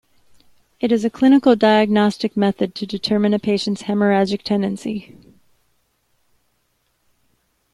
It is a clinical diagnostic method to determine a patient's haemorrhagic tendency.